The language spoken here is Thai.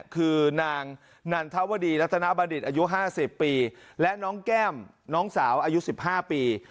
คือนางนั่นทวดีลัตนาบัณฑิตอายุห้าสิบปีและน้องแก้มน้องสาวอายุสิบห้าปี